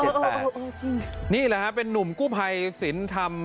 เบิร์ทเห็นไหม